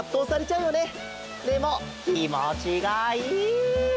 でもきもちがいい！